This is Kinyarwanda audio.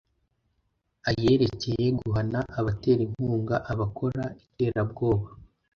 ayerekeye guhana abatera inkunga abakora iterabwoba